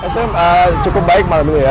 sm cukup baik malam ini ya